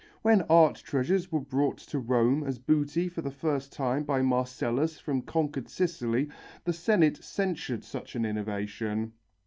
When art treasures were brought to Rome as booty for the first time by Marcellus from conquered Sicily the Senate censured such an innovation.